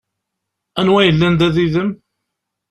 Anwa yellan da yid-m?